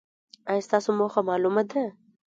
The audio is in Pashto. ایا ستاسو موخه معلومه ده؟